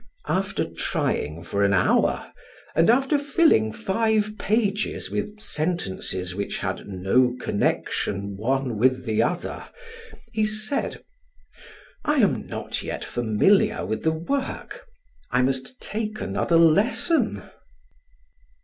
After trying for an hour, and after filling five pages with sentences which had no connection one with the other, he said: "I am not yet familiar with the work. I must take another lesson."